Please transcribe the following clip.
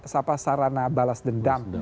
salah sarana balas dendam